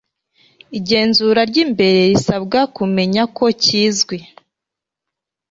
igenzura ry imbere risabwa kumenya ko cyizwi